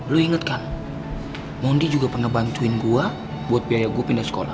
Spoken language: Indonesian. lu inget kan mondi juga pernah bantuin gue buat biaya gue pindah sekolah